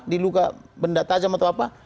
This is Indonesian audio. diluka benda tajam atau apa